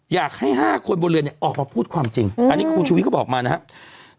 อยากให้๕คนบนเรือเนี่ยออกมาพูดความจริงอันนี้คุณชุวิตเขาบอกมานะครับ